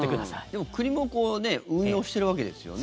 でも、国も運用してるわけですよね。